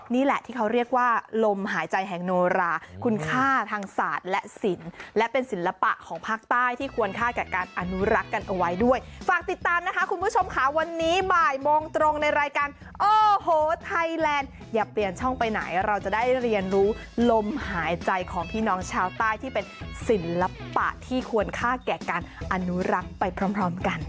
นี่แหละที่เขาเรียกว่าลมหายใจแห่งโนราคุณค่าทางศาสตร์และศิลป์และเป็นศิลปะของภาคใต้ที่ควรค่าแก่การอนุรักษ์กันเอาไว้ด้วยฝากติดตามนะคะคุณผู้ชมค่ะวันนี้บ่ายโมงตรงในรายการโอ้โหไทยแลนด์อย่าเปลี่ยนช่องไปไหนเราจะได้เรียนรู้ลมหายใจของพี่น้องชาวใต้ที่เป็นศิลปะที่ควรค่าแก่การอนุรักษ์ไปพร้อมกัน